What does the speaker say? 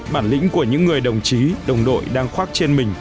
bản lĩnh của những người đồng chí đồng đội đang khoác trên mình